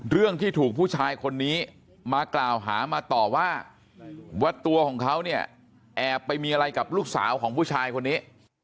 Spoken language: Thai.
เรื่องที่ถูกผู้ชายคนนี้มากล่าวหามาต่อว่าว่าตัวของเขาเนี่ยแอบไปมีอะไรกับลูกสาวของผู้ชายคนนี้